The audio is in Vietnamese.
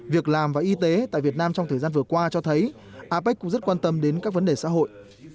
việc làm và y tế tại việt nam trong thời gian vừa qua cho thấy apec cũng rất quan tâm đến các vấn đề xã hội